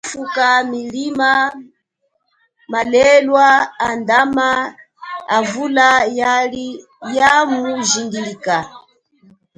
Yalifuka milima, malelwa andama avula ya mujingilika.